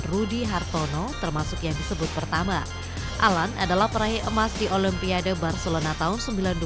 rudy hartono termasuk yang disebut pertama alan adalah perahi emas di olympiade barcelona tahun